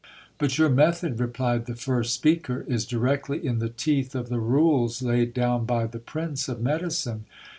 But your method, re plied the first speaker, is directly in the teeth of the rules laid down by the prince of medicine.